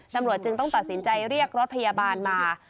ตำรวจจึงต้องตัดสินใจเรียกรถพยาบาลมา